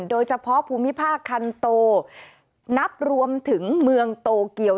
โดยเฉพาะภูมิภาคคันโตนับรวมถึงเมืองโตเกียว